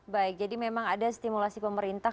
baik jadi memang ada stimulasi pemerintah